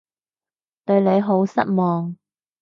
對你好失望